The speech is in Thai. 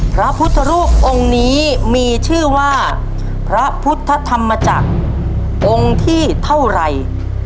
พระพุทธรูปองค์นี้มีชื่อว่าพระพุทธธรรมจักรองค์ที่เท่าไร